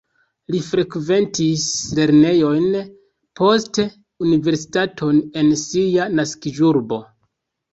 Li frekventis lernejojn, poste universitaton en sia naskiĝurbo.